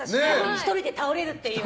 １人で倒れるっていう。